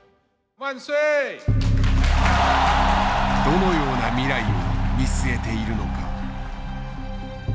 どのような未来を見据えているのか？